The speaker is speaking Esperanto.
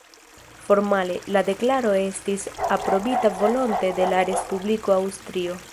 Formale, la deklaro estis aprobita volonte de la Respubliko Aŭstrio.